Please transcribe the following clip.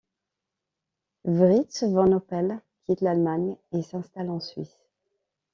Fritz von Opel quitte l'Allemagne et s'installe en Suisse.